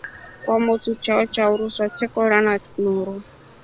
Kwamotu chao cha uruso chekorwa na nungu.